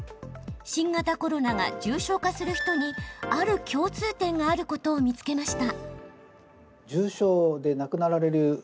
新型コロナが重症化する人にある共通点があることを見つけました。